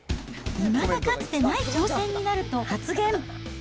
いまだかつてない挑戦になると発言。